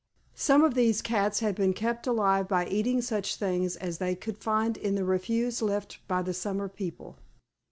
Some of these cats had been kept alive by eating such things as they could find in the refuse left by the summer people.